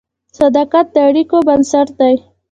صداقت د اړیکو بنسټ دی.